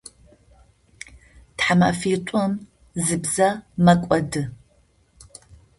Тхьамэфитӏум зы бзэ мэкӏоды.